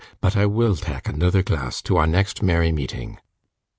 but I WILL tak' anoother glass to our next merry meeting!